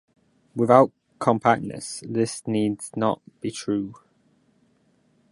Without compactness, this need not be true.